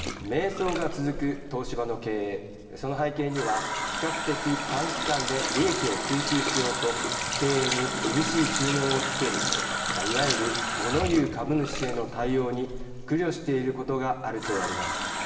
その背景には比較的、短期間で利益を追求しようと経営に厳しい注文をつけるいわゆる、もの言う株主への対応に苦慮していることがあるといわれます。